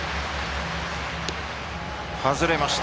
外れました。